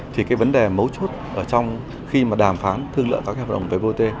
thì cái vấn đề mấu chút ở trong khi mà đàm phán thương lợi các hợp đồng về bot